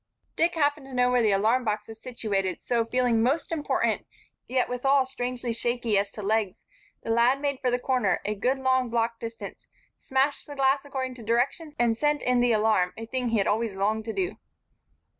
Dick happened to know where the alarm box was situated, so, feeling most important, yet withal strangely shaky as to legs, the lad made for the corner, a good long block distant, smashed the glass according to directions, and sent in the alarm, a thing that he had always longed to do.